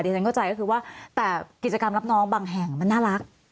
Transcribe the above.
ฉันเข้าใจก็คือว่าแต่กิจกรรมรับน้องบางแห่งมันน่ารัก